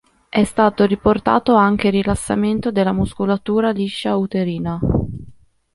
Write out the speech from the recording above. È stato riportato anche rilassamento della muscolatura liscia uterina.